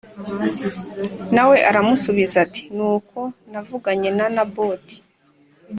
Na we aramusubiza ati “Ni uko navuganye na Naboti